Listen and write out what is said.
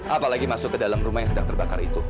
apalagi masuk ke dalam rumah yang sedang terbakar itu